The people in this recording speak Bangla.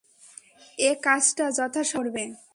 ও কাজটা যথাসময়েই করবে।